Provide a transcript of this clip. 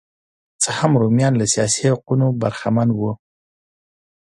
که څه هم رومیان له سیاسي حقونو برخمن وو